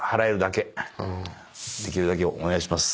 できるだけお願いします。